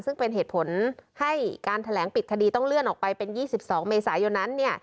ซึ่งเป็นเหตุผลให้การแถลงปิดคดีต้องเลื่อนออกไปเป็น๒๒เมษายนนั้น